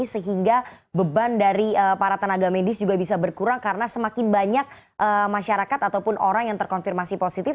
sehingga beban dari para tenaga medis juga bisa berkurang karena semakin banyak masyarakat ataupun orang yang terkonfirmasi positif